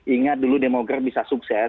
ingat dulu demokrat bisa sukses